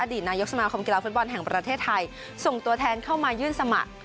ดีตนายกสมาคมกีฬาฟุตบอลแห่งประเทศไทยส่งตัวแทนเข้ามายื่นสมัคร